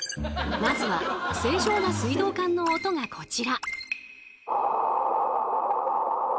まずは正常な水道管の音がこちら。